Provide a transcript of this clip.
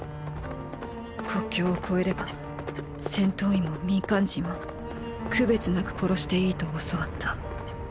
国境を越えれば戦闘員も民間人も区別なく殺していいと教わった。